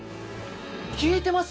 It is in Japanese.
聞いてます？